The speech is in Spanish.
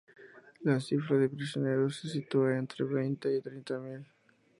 La cifra de prisioneros se sitúa entre veinte y treinta mil.